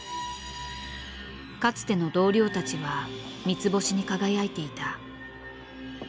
かつての同僚たちは三つ星に輝いていた。